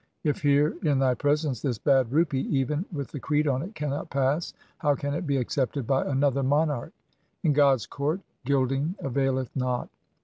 If here in thy presence this bad rupee even with the creed on it cannot pass, how can it be accepted by another monarch ? In God's court gilding availeth not.